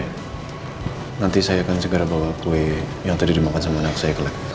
nanti saya akan segera bawa kue yang tadi dimakan sama anak saya kelek